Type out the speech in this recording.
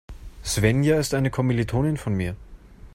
Svenja ist eine Kommilitonin von mir.